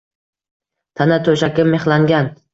Tana to'shakka mixlangan